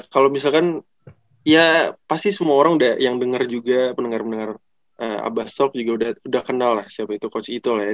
kalau misalkan ya pasti semua orang yang dengar juga pendengar pendengar abah stop juga udah kenal lah siapa itu coach itu lah ya